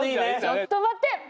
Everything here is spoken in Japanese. ちょっと待って！